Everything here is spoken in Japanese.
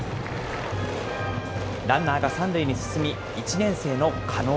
ランナーが３塁に進み、１年生の加納。